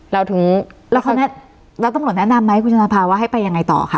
เราถึงแล้วเขาแนะนำแล้วต้องหน่อยแนะนำไหมคุณจำภาวะให้ไปยังไงต่อค่ะ